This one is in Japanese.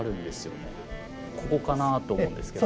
ここかなと思うんですけど。